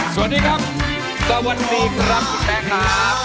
สวัสดีครับกลอบสวัสดีครับพี่แป๊ะครับ